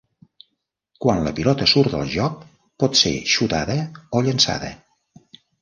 Quan la pilota surt del joc, pot ser xutada o llançada.